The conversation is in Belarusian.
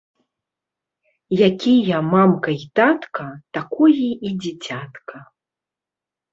Якія мамка й татка, такое і дзіцятка.